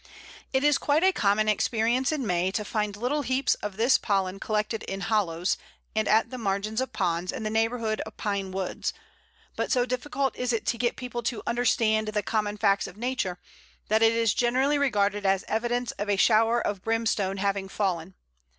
It is quite a common experience in May to find little heaps of this pollen collected in hollows and at the margins of ponds in the neighbourhood of Pine woods; but, so difficult is it to get people to understand the common facts of nature, that it is generally regarded as evidence of a shower of brimstone having fallen.